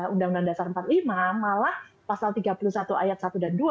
undang undang dasar empat puluh lima malah pasal tiga puluh satu ayat satu dan dua